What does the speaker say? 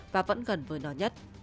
và vẫn gần với nó nhất